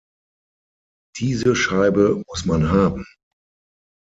Diese Scheibe muss man haben!